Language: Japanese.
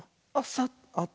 あっ。